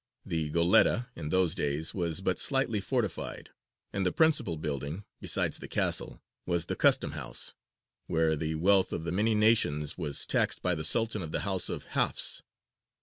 The Goletta in those days was but slightly fortified, and the principal building, besides the castle, was the custom house, where the wealth of many nations was taxed by the Sultan of the House of Hafs.